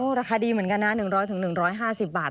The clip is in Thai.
ราคาดีเหมือนกันนะ๑๐๐๑๕๐บาท